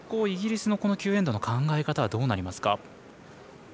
イギリスの９エンドの考え方はどうなりますか。